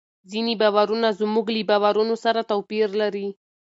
ځینې باورونه زموږ له باورونو سره توپیر لري.